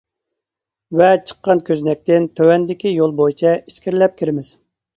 ۋە چىققان كۆزنەكتىن تۆۋەندىكى يول بويىچە ئىچكىرىلەپ كىرىمىز.